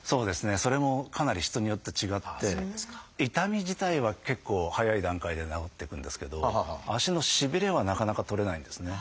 それもかなり人によって違って痛み自体は結構早い段階で治っていくんですけど足のしびれはなかなか取れないんですね。